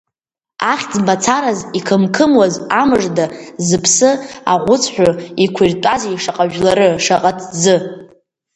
Ахьӡ мацараз иқымқымуаз, амыжда, зыԥсы, аӷәыцәҳәы иқәиртәазеи шаҟа жәлары, шаҟа ҭӡы?